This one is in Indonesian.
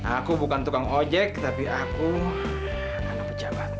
aku bukan tukang ojek tapi aku anak pejabat